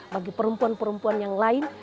bagi perempuan perempuan yang lain